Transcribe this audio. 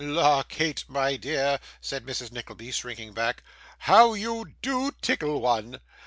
'La, Kate, my dear,' said Mrs. Nickleby, shrinking back, 'how you do tickle one!